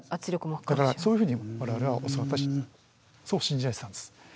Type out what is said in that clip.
そういうふうに我々は教わったしそう信じられてたんです。